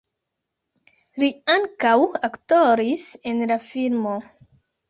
Li ankaŭ aktoris en la filmo.